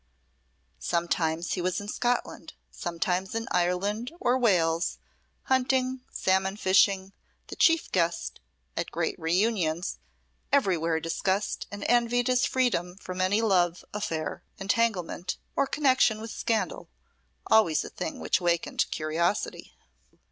Sometimes he was in Scotland, sometimes in Ireland or Wales, hunting, salmon fishing, the chief guest at great reunions, everywhere discussed and envied his freedom from any love affair, entanglement, or connection with scandal, always a thing which awakened curiosity.